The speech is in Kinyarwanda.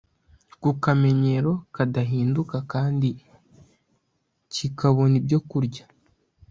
ku kamenyero kadahinduka kandi kikabona ibyokurya